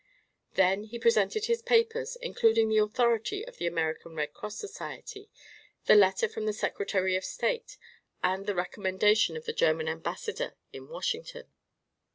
Then he presented his papers, including the authority of the American Red Cross Society, the letter from the secretary of state and the recommendation of the German ambassador at Washington.